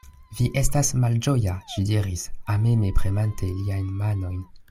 Vi estas malĝoja, ŝi diris, ameme premante liajn manojn.